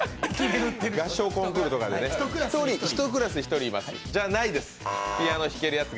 合唱コンクールとかで１人１クラスいます。